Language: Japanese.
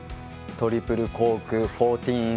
トリプルコーク１４４０。